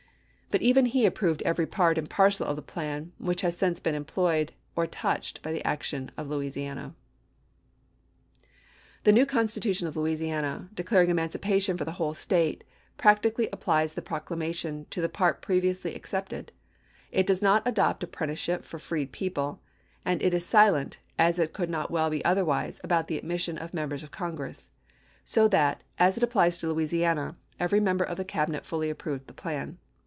But even he approved every part and parcel of the plan which has since been employed or touched by the action of Louisiana KECONSTRUCTION 459 "The new constitution of Louisiana, declaring chap.xix. emancipation for the whole State, practically ap plies the proclamation to the part previously ex cepted. It does not adopt apprenticeship for freed people, and it is silent, as it could not well be other wise, about the admission of Members to Congress. So that, as it applies to Louisiana, every member of the Cabinet fully approved the plan.